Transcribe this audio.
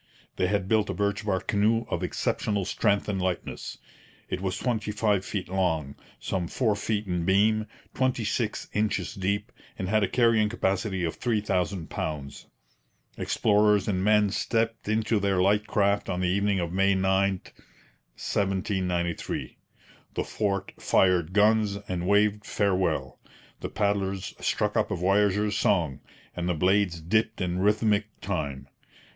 They had built a birch bark canoe of exceptional strength and lightness. It was twenty five feet long, some four feet in beam, twenty six inches deep, and had a carrying capacity of three thousand pounds. Explorers and men stepped into their light craft on the evening of May 9, 1793. The fort fired guns and waved farewell; the paddlers struck up a voyageurs' song; and the blades dipped in rhythmic time.